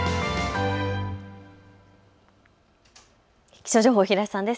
気象情報、平井さんです。